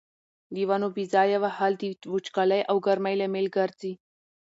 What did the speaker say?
د ونو بې ځایه وهل د وچکالۍ او ګرمۍ لامل ګرځي.